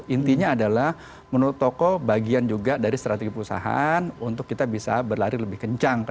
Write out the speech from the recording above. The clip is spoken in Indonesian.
intinya adalah menurut toko bagian juga dari strategi perusahaan untuk kita bisa berlari lebih kencang